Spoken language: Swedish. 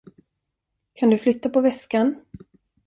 Kan du flytta på väskan?